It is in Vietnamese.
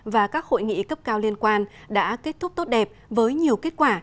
và các hội nghị cấp cao liên quan đã kết thúc tốt đẹp với nhiều kết quả